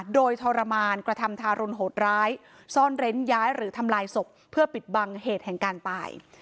โดยทรมานกระทำทารุณโหดร้ายซ่อนเร้นย้ายหรือทำลายศพเพื่อปิดบังเหตุแห่งการตาย